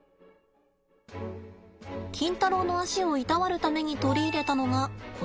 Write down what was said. キンタロウの足をいたわるために取り入れたのがこちら。